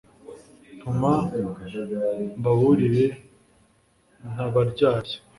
ntuma mbaburire ntabaryarya